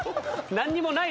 何にもない。